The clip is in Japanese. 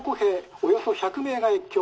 およそ１００名が越境。